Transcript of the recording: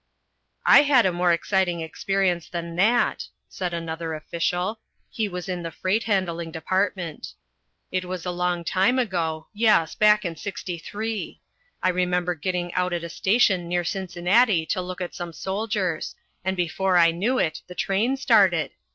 "I had a more exciting experience than that," said another official he was in the freight handling department. "It was a long time ago yes, back in '63. I remember getting out at a station near Cincinnati to look at some soldiers, and before I knew it the train started.